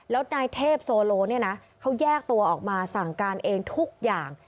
แล้วนายเทพโซโลเนี่ยนะเขาแยกตัวออกมาสั่งการเองทุกอย่าง